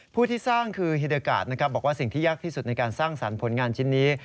ผู้ที่สร้างคือฮิดากาศนะครับบอกว่าสิ่งที่ยากที่สุดในการสร้างสรรค์ผลงานชิ้นนี้